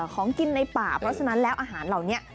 ของกินในป่าเพราะฉะนั้นแล้วอาหารเหล่านี้